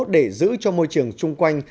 để giữ cho môi trường chung quanh